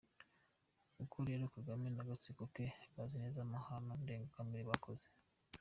Koko rero Kagame n’Agatsiko ke bazi neza amahano ndengakamere bakoze.